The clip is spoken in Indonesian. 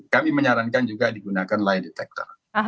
kami menyarankan juga digunakan lie detector